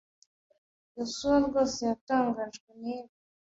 Yesuwa rwose yatangajwe nibi.